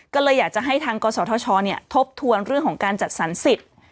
ก็เลยอยากจะให้ทางกศธชทบทวนเรื่องของการจัดสรรสิทธิ์